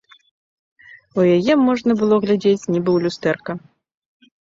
У яе можна было глядзець, нібы ў люстэрка.